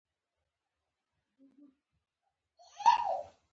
ټول سلسله مراتبي نظامونه یو شان اخلاقي نه دي.